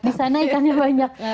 di sana ikannya banyak